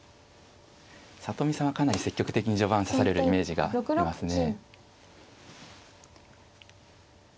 里見さんはかなり積極的に序盤指されるイメージがありますね。